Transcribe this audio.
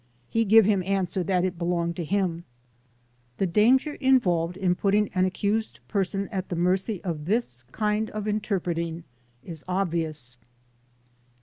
He give him answer that it belonged to him." The danger involved in putting an accused person at the mercy of this kind of interpreting is obvious.